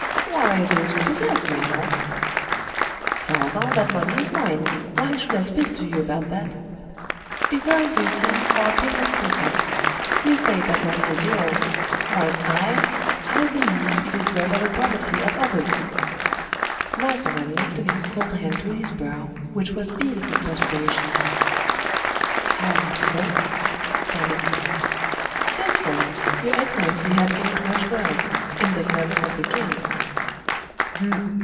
"Why, those you possess, my lord." "Father, that money is mine, why should I speak to you about that?" "Because, you see, our opinions differ. You say that money is yours, whilst I—I believe it is rather the property of others." Mazarin lifted his cold hand to his brow, which was beaded with perspiration. "How so?" stammered he. "This way. Your excellency had gained much wealth—in the service of the king."